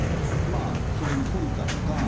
それに懲りたのか。